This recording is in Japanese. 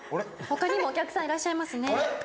他にもお客さんいらっしゃいますね。